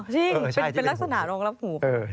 ใช่เป็นลักษณะรองรับหู